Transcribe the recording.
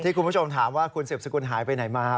คุณผู้ชมถามว่าคุณสืบสกุลหายไปไหนมา